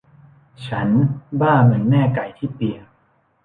ฉันบ้าเหมือนแม่ไก่ที่เปียก